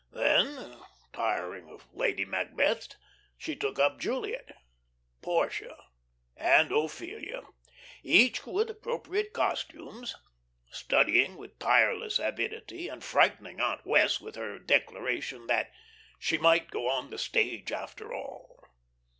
'" Then, tiring of Lady Macbeth, she took up Juliet, Portia, and Ophelia; each with appropriate costumes, studying with tireless avidity, and frightening Aunt Wess' with her declaration that "she might go on the stage after all."